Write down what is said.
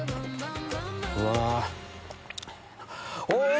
うわ！